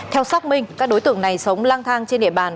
theo xác minh các đối tượng này sống lang thang trên địa bàn